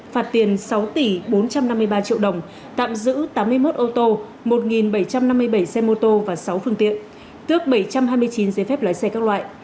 phạt tiền sáu tỷ bốn trăm năm mươi ba triệu đồng tạm giữ tám mươi một ô tô một bảy trăm năm mươi bảy xe mô tô và sáu phương tiện tước bảy trăm hai mươi chín giấy phép lái xe các loại